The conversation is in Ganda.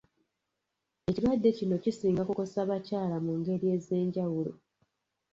Ekirwadde kino kisinga kukosa bakyala mu ngeri ez'enjawulo.